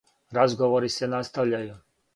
Разговори се настављају.